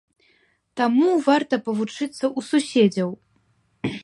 Таму варта павучыцца ў суседзяў.